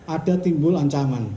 ada timbul ancaman